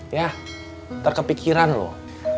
yah ntar kepikiran loh